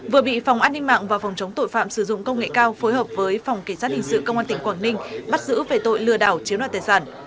vừa bị phòng an ninh mạng và phòng chống tội phạm sử dụng công nghệ cao phối hợp với phòng kể sát hình sự công an tỉnh quảng ninh bắt giữ về tội lừa đảo chiếm đoạt tài sản